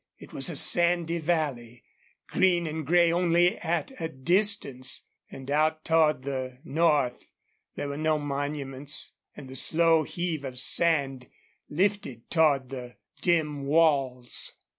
It was a sandy valley, green and gray only at a distance, and out toward the north there were no monuments, and the slow heave of sand lifted toward the dim walls.